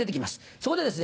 そこでですね